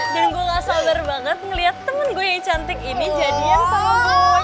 dan gue gak sabar banget ngelihat temen gue yang cantik ini jadian sama boy